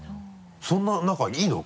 そんな中いいの？